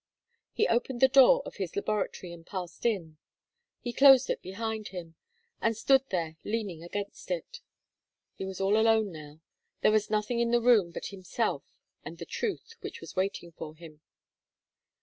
He opened the door of his laboratory and passed in. He closed it behind him, and stood there leaning against it. He was all alone now. There was nothing in the room but himself and the truth which was waiting for him.